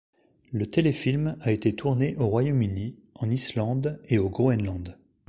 Le téléfilm a été tourné au Royaume-Uni, en Islande et au Groenland.